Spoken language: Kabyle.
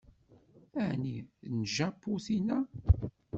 Ɛni n Japu tina?